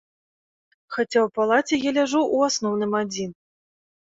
Хаця ў палаце я ляжу ў асноўным адзін.